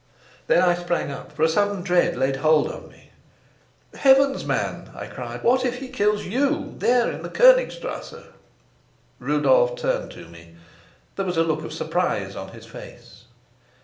Then I sprang up, for a sudden dread laid hold on me. "Heavens, man," I cried, "what if he kills you there in the Konigstrasse?" Rudolf turned to me; there was a look of surprise on his face.